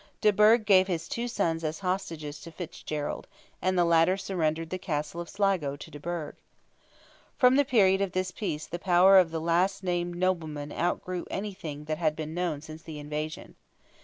De Burgh gave his two sons as hostages to Fitzgerald, and the latter surrendered the Castle of Sligo to de Burgh. From the period of this peace the power of the last named nobleman outgrew anything that had been known since the Invasion.